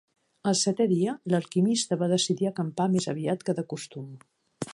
El setè dia, l'alquimista va decidir acampar més aviat que de costum.